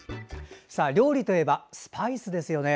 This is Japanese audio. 料理といえばスパイスですよね。